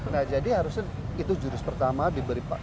nah jadi harusnya itu jurus pertama diberi